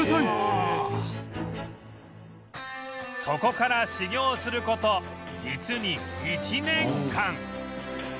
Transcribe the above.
そこから修業する事実に１年間